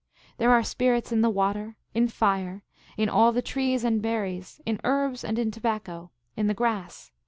" There are spirits in the water, in fire, in all the trees and berries, in herbs and in tobacco, in the grass.